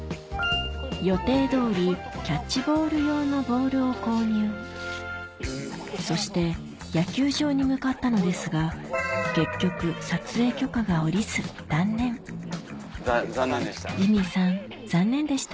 予定どおりキャッチボール用のそして野球場に向かったのですが結局撮影許可が下りず断念残念でした。